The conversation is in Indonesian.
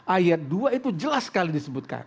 ayat dua itu jelas sekali disebutkan